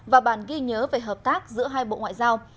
và bản ghi nhớ về hợp tác giữa hai bộ ngoại giao